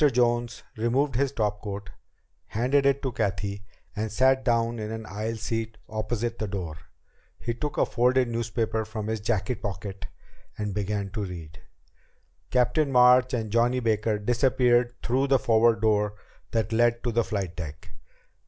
Jones removed his topcoat, handed it to Cathy, and sat down in an aisle seat opposite the door. He took a folded newspaper from his jacket pocket and began to read. Captain March and Johnny Baker disappeared through the forward door that led to the flight deck.